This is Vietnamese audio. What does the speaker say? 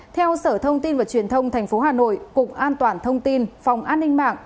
theo sở thông tin và truyền thông tp hà nội cục an toàn thông tin phòng an ninh mạng